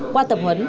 qua tập huấn